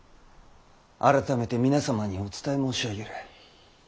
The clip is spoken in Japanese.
改めて皆様にお伝え申し上げる。